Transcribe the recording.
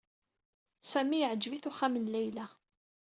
Sami yeɛjeb-it uxxam n Layla.